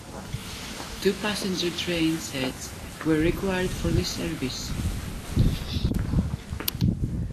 Two passenger train sets were required for this service.